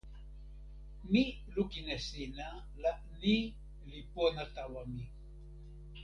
mi lukin e sina la ni li pona tawa mi.